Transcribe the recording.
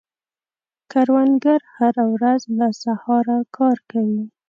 کروندګر هره ورځ له سهاره کار کوي